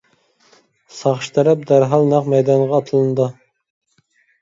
ساقچى تەرەپ دەرھال نەق مەيدانغا ئاتلىنىدۇ.